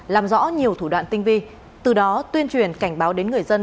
làm rõ nhiều thủ đoạn tinh vi từ đó tuyên truyền cảnh báo đến người dân